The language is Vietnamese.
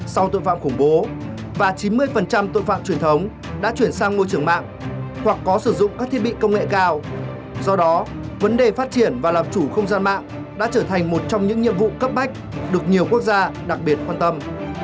sau tội phạm khủng bố và chín mươi tội phạm truyền thống đã chuyển sang môi trường mạng hoặc có sử dụng các thiết bị công nghệ cao do đó vấn đề phát triển và làm chủ không gian mạng đã trở thành một trong những nhiệm vụ cấp bách được nhiều quốc gia đặc biệt quan tâm